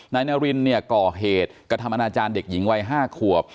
นายนารินเนี่ยก่อเหตุกระทำอนาจารย์เด็กหญิงวัย๕ขวบ